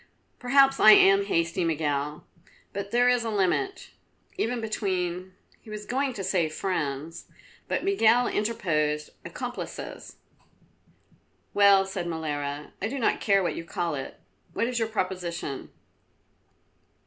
"Perhaps I am hasty, Miguel, but there is a limit, even between " He was going to say friends but Miguel interposed accomplices. "Well," said Molara, "I do not care what you call it. What is your proposition?"